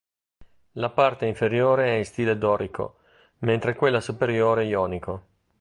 La parte inferiore è in stile dorico mentre quella superiore ionico.